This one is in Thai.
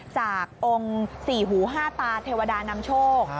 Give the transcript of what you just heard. จากองค์สี่หูห้าตาเทวดานำโชค